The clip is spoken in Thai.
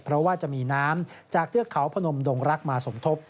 เพราะว่าจะมีน้ำจากเทือกเขาพนมดงรักมาสมทบ